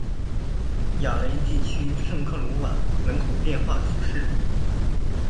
雅雷地区圣克鲁瓦人口变化图示